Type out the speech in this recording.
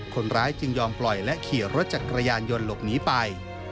คนร้ายจึงยอมปล่อยและขี่รถจักรยานยนต์หลบหนีไป